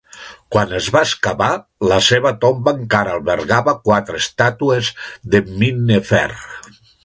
Quan es va excavar, la seva tomba encara albergava quatre estàtues de Minnefer.